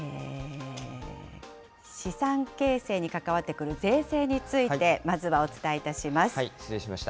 資産形成に関わってくる税制について、まずはお伝えいたします。